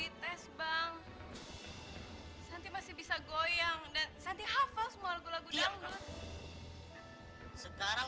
eh eh eh masih mau juga dilamatkan saya